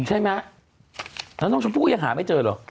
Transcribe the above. ใช่ไหมแล้วน้องชมพู่ยังหาไม่เจอเหรอ